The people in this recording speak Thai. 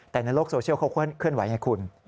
แต่ในโลกโซเชียลเขาเคลื่อนไหวไงคุณ